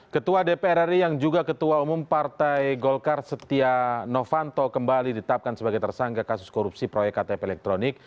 ketua dpr ri yang juga ketua umum partai golkar setia novanto kembali ditapkan sebagai tersangka kasus korupsi proyek ktp elektronik